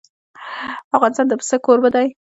افغانستان د پسه کوربه دی.